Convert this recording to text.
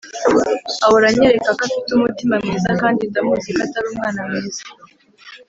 Ahora anyereka ko afite umutima mwiza kandi ndamuzi ko Atari umwana mwiza